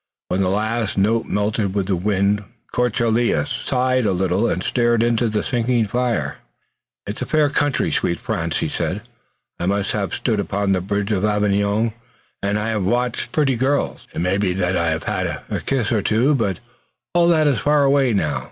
When the last note melted with the wind de Courcelles sighed a little and stared into the sinking fire. "It is a fair country, sweet France," he said; "I myself have stood upon the bridge of Avignon, and I have watched the pretty girls. It may be that I have had a kiss or two, but all that is far away now.